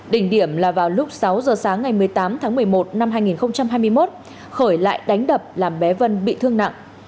đỉnh điểm là vào lúc sáu giờ sáng ngày một mươi tám tháng một mươi một năm hai nghìn hai mươi một khởi lại đánh đập làm bé vân bị thương nặng